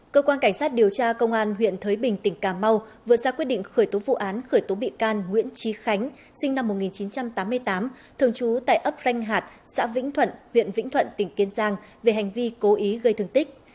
cơ quan cảnh sát điều tra công an huyện thới bình tỉnh cà mau vừa ra quyết định khởi tố vụ án khởi tố bị can nguyễn trí khánh sinh năm một nghìn chín trăm tám mươi tám thường trú tại ấp ranh hạt xã vĩnh thuận huyện vĩnh thuận tỉnh kiên giang về hành vi cố ý gây thương tích